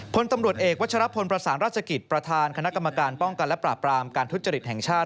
พลตำรวจเอกวัชรพลประสานราชกิจประธานคณะกรรมการป้องกันและปราบรามการทุจริตแห่งชาติ